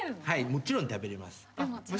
もちろん食べれます。